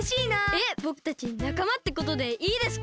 えっぼくたちなかまってことでいいですか？